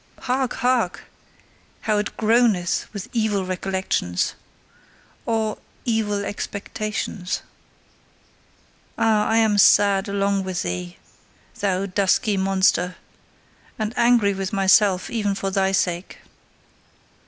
Hark! Hark! How it groaneth with evil recollections! Or evil expectations? Ah, I am sad along with thee, thou dusky monster, and angry with myself even for thy sake.